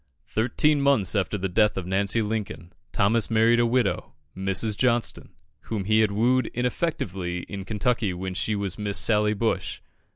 Thirteen months after the death of Nancy Lincoln, Thomas married a widow, Mrs. Johnston, whom he had wooed ineffectually in Kentucky when she was Miss Sally Bush.